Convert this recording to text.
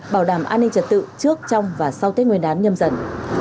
bảo đảm an ninh trật tự trước trong và sau tết nguyên đán nhâm dần